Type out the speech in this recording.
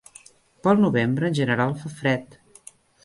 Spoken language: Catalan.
Pel novembre en general fa fred.